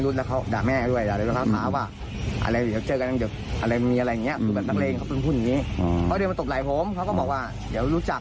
เขาเดินมาตบไหล่ผมเขาก็บอกว่าเดี๋ยวรู้จัก